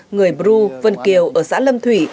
người bru vân kiều ở xã lâm thủy